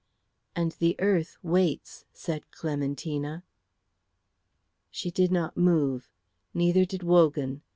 "And the earth waits," said Clementina. She did not move, neither did Wogan.